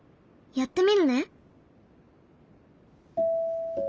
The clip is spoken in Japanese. やってみるね！